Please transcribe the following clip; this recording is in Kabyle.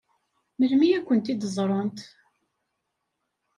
Melmi ad kent-ẓṛent?